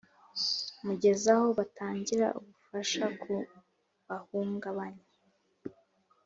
mugeza aho batangira ubufasha ku bahungabanye.